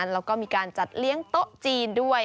แล้วก็มีการจัดเลี้ยงโต๊ะจีนด้วย